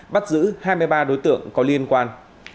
bắt giữ hai mươi ba đối tượng có liên quan